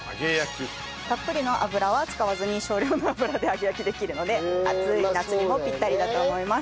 たっぷりの油は使わずに少量の油で揚げ焼きできるので暑い夏にもぴったりだと思います。